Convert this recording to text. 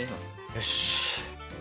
よし！